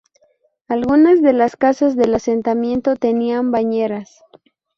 Algunas de las casas del asentamiento tenían bañeras.